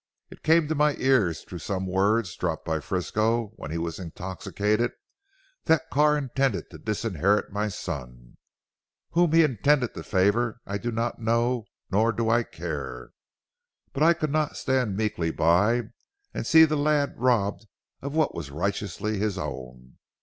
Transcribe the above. It came to my ears through some words dropped by Frisco when he was intoxicated, that Carr intended to disinherit my son. Whom he intended to favour I do not know, nor do I care. But I could not stand meekly by and see the lad robbed of what was righteously his own.